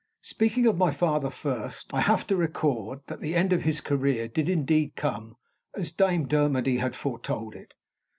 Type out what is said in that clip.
Speaking of my father first, I have to record that the end of his career did indeed come as Dame Dermody had foretold it.